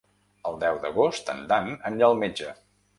El deu d'agost en Dan anirà al metge.